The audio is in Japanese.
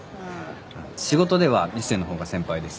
仕事では一星のほうが先輩です。